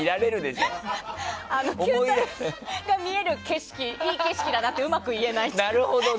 球体が見える景色をいい景色だなとうまく言えない。